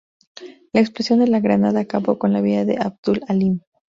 La explosión de la granada acabó con la vida de Abdul-Halim.